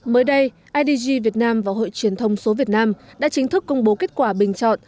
mới đây idg việt nam và hội truyền thông số việt nam đã chính thức công bố kết quả bình chọn